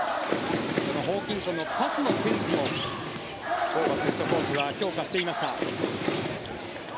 このホーキンソンのパスのセンスもホーバスヘッドコーチは評価していました。